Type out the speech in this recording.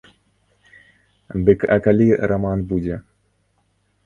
Дык а калі раман будзе?